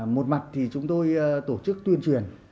một mặt thì chúng tôi tổ chức tuyên truyền